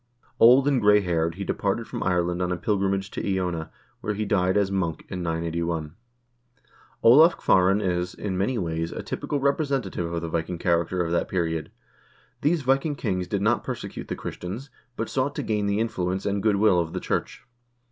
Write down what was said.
Old and gray haired, he departed from Ireland on a pilgrimage to Iona, where he died as monk in 981. Olav Kvaaran is, in many ways, a typical representative of the Viking character of that period. These Viking kings did not perse cute the Christians, but sought to gain the influence and good will of the church.